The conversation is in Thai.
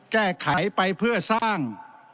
แก้ไขไปเพื่อสร้าง